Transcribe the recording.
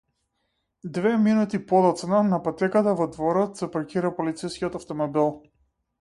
Две минути подоцна на патеката во дворот се паркира полицискиот автомобил.